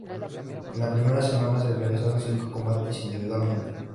En la primera semana se realizaron cinco combates individualmente.